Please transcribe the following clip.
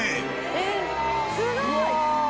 えっすごい！